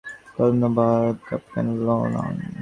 ধন্যবাদ, captain Nolan.